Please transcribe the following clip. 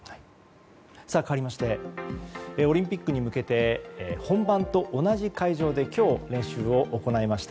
かわりましてオリンピックに向けて本番と同じ会場で今日、練習を行いました